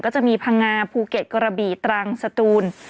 จะมีพังงาภูเก็ตกระบี่ตรังสตูน